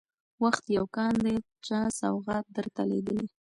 وخت يو كان دى چا سوغات درته لېږلى